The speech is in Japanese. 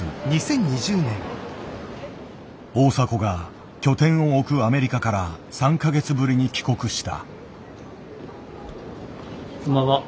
大迫が拠点を置くアメリカから３か月ぶりに帰国した。